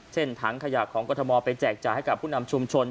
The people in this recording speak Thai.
ถังขยะของกรทมไปแจกจ่ายให้กับผู้นำชุมชน